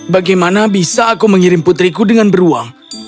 bagaimana bisa aku mengirim putriku dengan beruang